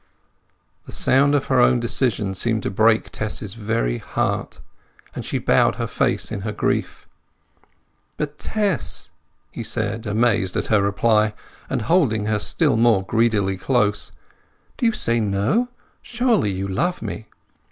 The sound of her own decision seemed to break Tess's very heart, and she bowed her face in her grief. "But, Tess!" he said, amazed at her reply, and holding her still more greedily close. "Do you say no? Surely you love me?"